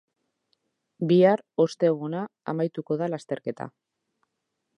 Bihar, osteguna, amaituko da lasterketa.